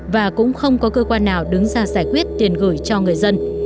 và cũng không có cơ quan nào đứng ra giải quyết tiền gửi cho người dân